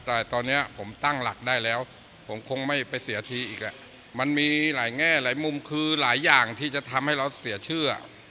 แต่ตอนนี้ผมตั้งหลักได้แล้วผมคงไม่ไปเสียทีอีกมันมีหลายแง่หลายมุมคือหลายอย่างที่จะทำให้เราเสียชื่อ